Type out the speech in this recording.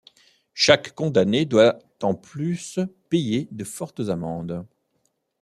Chaque condamné doit en plus payer de fortes amendes.